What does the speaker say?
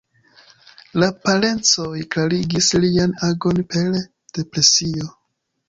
La parencoj klarigis lian agon per depresio.